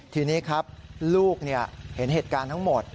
ทีนี้ครับลูกเห็นเหตุการณ์ทั้งหมด